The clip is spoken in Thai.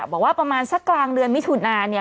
บอกว่าประมาณสักกลางเดือนไม่ถูกนานเนี้ย